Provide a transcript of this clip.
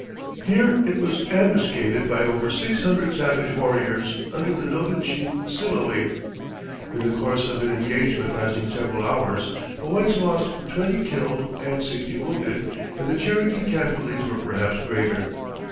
Here it was ambuscaded by over six hundred savage warriors under the noted chief Silouee. In the course of an engagement lasting several hours the whites lost twenty killed and sixty wounded, and the Cherokee casualties were perhaps greater.